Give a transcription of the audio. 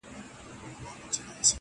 o زما غمی یې دی له ځانه سره وړﺉ,